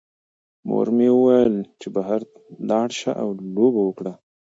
مور مې وویل چې بهر لاړ شه او لوبه وکړه.